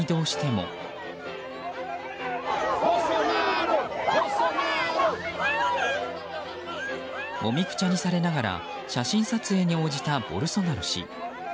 もみくちゃにされながら写真撮影に応じたボルソナロ氏。